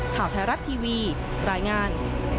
ข่าวไทยรัฐทีวีรายงาน